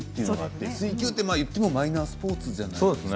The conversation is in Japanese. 水球って言ったらマイナースポーツじゃないですか。